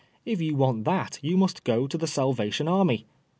If you want that you must go to the Salvation Army.